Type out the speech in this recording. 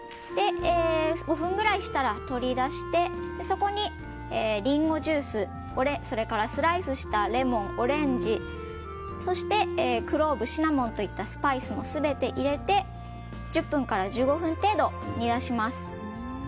５分ぐらいしたら取り出してそこにリンゴジューススライスしたレモンオレンジ、そしてクローブシナモンといったスパイスも全て入れて１０分から１５分程度煮出します。